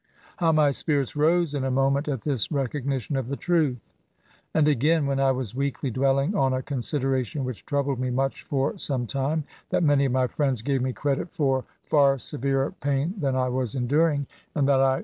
How my spirits rose in a moment at this recognition of the truth ! And again — ^when I was weakly dwelling on a consideration which troubled me much for some time, that many of my friends gave me credit for far severer pain than I was enduring, and that I 16 nSBAYB.